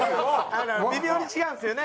微妙に違うんですよね。